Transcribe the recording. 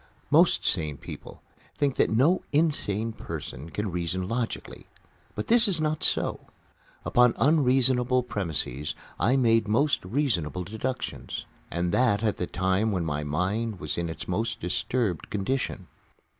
Most sane people think that no insane person can reason logically. But this is not so. Upon unreasonable premises I made most reasonable deductions, and that at the time when my mind was in its most disturbed condition.